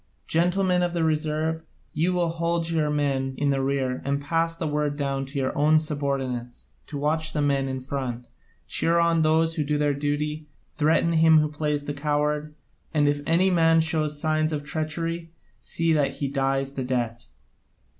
Gentlemen of the reserve, you will hold your men in the rear, and pass the word down to your own subordinates to watch the men in front, cheer on those who do their duty, threaten him who plays the coward, and if any man show signs of treachery, see that he dies the death.